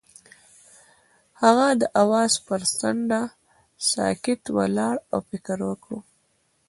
هغه د اواز پر څنډه ساکت ولاړ او فکر وکړ.